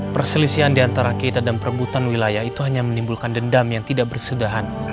perselisihan diantara kita dan perebutan wilayah itu hanya menimbulkan dendam yang tidak berkesudahan